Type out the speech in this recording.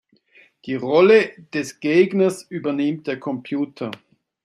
Die Rolle des Gegners übernimmt der Computer.